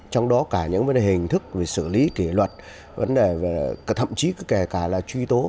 trong đó cả những vấn đề hình thức về xử lý kỷ luật vấn đề thậm chí kể cả là truy tố